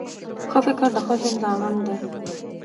ښه فکر د ښه ژوند ضامن دی